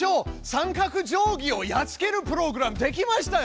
三角定規をやっつけるプログラムできましたよ！